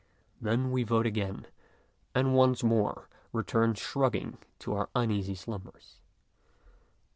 Then we vote again, and once more return shrugging to our uneasy slumbers.